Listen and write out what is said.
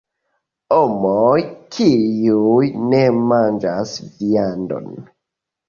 Homoj, kiuj ne manĝas viandon.